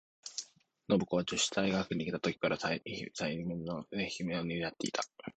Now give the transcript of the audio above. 信子は女子大学にゐた時から、才媛の名声を担ってゐた。